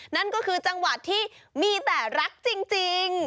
นั่นก็คือจังหวัดที่มีแต่รักจริง